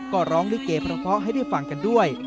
ก็ร้องลิเกเพราะให้ได้ฟังกันด้วย